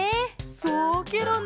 そうケロね。